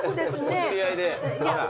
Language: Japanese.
お知り合いで？